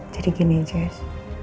jadi gini jess